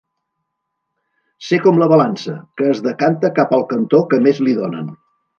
Ser com la balança, que es decanta cap al cantó que més li donen.